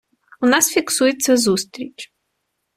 У нас фіксується зустріч.